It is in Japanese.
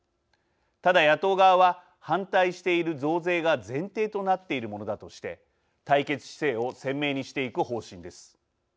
ただ野党側は反対している増税が前提となっているものだとして対決姿勢を鮮明にしていく方針です。